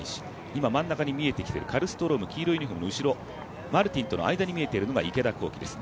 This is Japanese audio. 今、真ん中に見えてきているカルストローム、黄色いユニフォーム、マルティンとの間に見えているのが池田向希です。